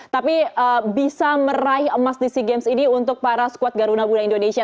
tapi bisa meraih emas di sea games ini untuk para squad garuda muda indonesia